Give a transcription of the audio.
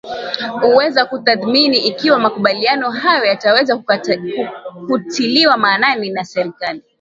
uweza kutadhimini ikiwa makumbaliano hayo yataweza kutiliwa maanani na serikali